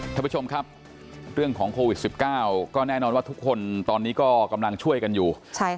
ท่านผู้ชมครับเรื่องของโควิด๑๙ก็แน่นอนว่าทุกคนตอนนี้ก็กำลังช่วยกันอยู่